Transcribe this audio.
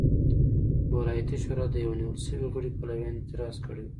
د ولایتي شورا د یوه نیول شوي غړي پلویانو اعتراض کړی و.